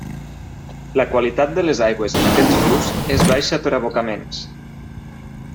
La qualitat de les aigües en aquests rius és baixa per abocaments.